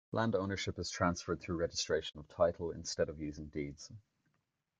Land ownership is transferred through registration of title instead of using deeds.